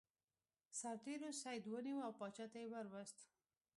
سرتیرو سید ونیو او پاچا ته یې ور وست.